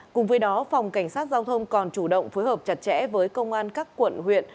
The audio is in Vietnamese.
cùng với đó phòng cảnh sát giao thông còn chủ động phối hợp chặt chẽ với công an các quận huyện